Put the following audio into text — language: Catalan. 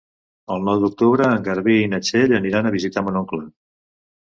El nou d'octubre en Garbí i na Txell aniran a visitar mon oncle.